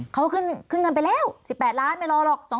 เขาขึ้นเงินไปแล้ว๑๘ล้านไม่รอหรอก